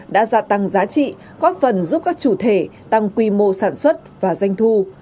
đã gia tăng giá trị góp phần giúp các chủ thể tăng quy mô sản xuất và doanh thu